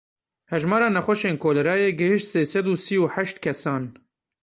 Hejmara nexweşên kolerayê gihişt sê sed û sî û heşt kesan.